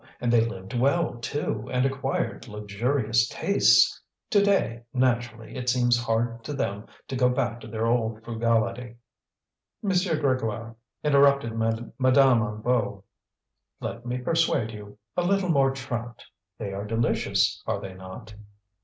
And they lived well, too, and acquired luxurious tastes. To day, naturally, it seems hard to them to go back to their old frugality." "Monsieur Grégoire," interrupted Madame Hennebeau, "let me persuade you, a little more trout. They are delicious, are they not?"